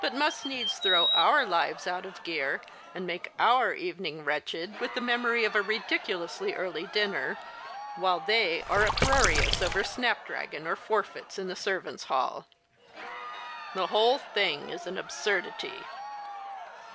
must needs throw our lives out of gear, and make our evening wretched with the memory of a ridiculously early dinner, while they are uproarious over snapdragon or forfeits in the servants' hall. The whole thing is an absurdity."